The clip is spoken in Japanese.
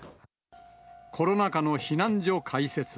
コロナ禍の避難所開設。